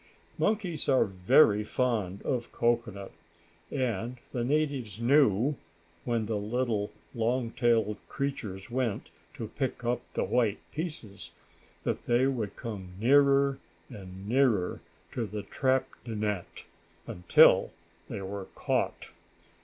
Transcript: Monkeys are very fond of cocoanut, and the natives knew, when the little long tailed creatures went to pick up the white pieces, that they would come nearer and nearer to the trap net, until they were caught.